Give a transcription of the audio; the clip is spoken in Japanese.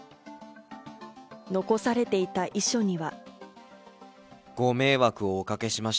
残されていた遺書には。